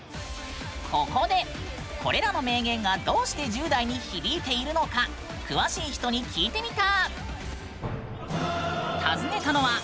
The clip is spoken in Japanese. ここでこれらの名言がどうして１０代に響いているのか詳しい人に聞いてみた！